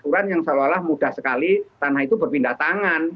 aturan yang seolah olah mudah sekali tanah itu berpindah tangan